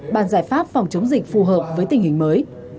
bàn giải pháp phòng chống dịch phù hợp với tình hình mới